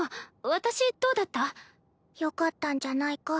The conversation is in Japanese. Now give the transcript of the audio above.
私どうだった？よかったんじゃないか？